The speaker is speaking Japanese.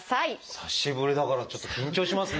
久しぶりだからちょっと緊張しますね。